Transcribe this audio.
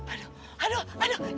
aduh aduh aduh